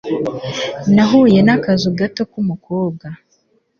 nahuye n'akazu gato k'umukobwa